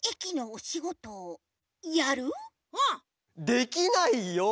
できないよ！